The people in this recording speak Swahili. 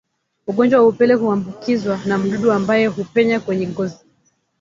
Ugonjwa wa upele huambukizwa na mdudu ambaye hupenya kwenye ngozi